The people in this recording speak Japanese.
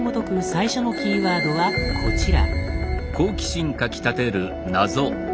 最初のキーワードはこちら。